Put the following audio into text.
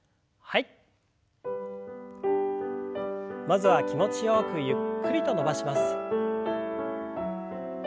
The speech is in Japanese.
まずは気持ちよくゆっくりと伸ばします。